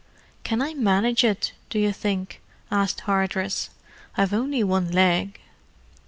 "Can I manage it, do you think?" asked Hardress. "I've only one leg."